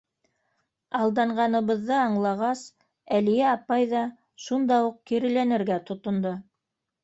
Алданғаныбыҙҙы аңлағас, Әлиә апай ҙа шунда уҡ киреләнергә тотондо: